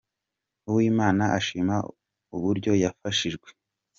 Uwimana ashima uburyo yafashijwe.